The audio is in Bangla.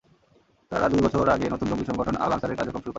তাঁরা দুই বছর আগে নতুন জঙ্গি সংগঠন আল-আনসারের কার্যক্রম শুরু করেন।